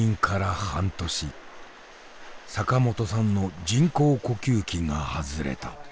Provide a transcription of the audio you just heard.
坂本さんの人工呼吸器が外れた。